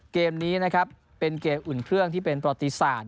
เกมนี้นะครับเป็นเกมอุ่นเครื่องที่เป็นประติศาสต